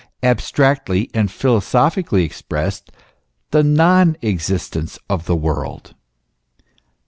abstractly and philosophically expressed, the non existence of the world.